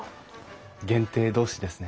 限定同士ですね。